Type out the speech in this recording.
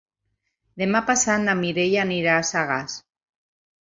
Demà passat na Mireia anirà a Sagàs.